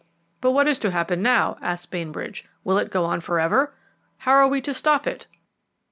"But what is to happen now?" asked Bainbridge. "Will it go on for ever? How are we to stop it?"